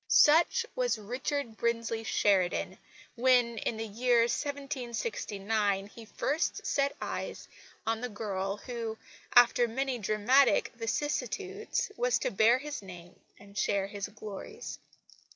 Such was Richard Brinsley Sheridan, when, in the year 1769, he first set eyes on the girl, who, after many dramatic vicissitudes, was to bear his name and share his glories.